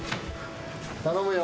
頼むよ。